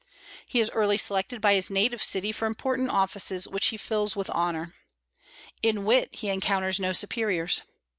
He is early selected by his native city for important offices, which he fills with honor. In wit he encounters no superiors.